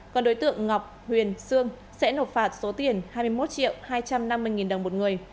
còn đối tượng ngọc huyền sương sẽ nộp phạt số tiền hai mươi một triệu hai trăm năm mươi nghìn đồng một người